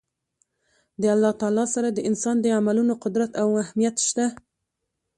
د الله تعالی سره د انسان د عملونو قدر او اهميت شته